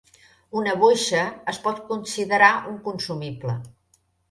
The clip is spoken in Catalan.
Una boixa es pot considerar un "consumible".